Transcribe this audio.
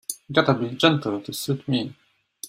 Gotta be gentle to suit me.